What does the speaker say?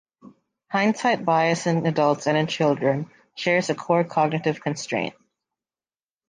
Hindsight bias in adults and in children shares a core cognitive constraint.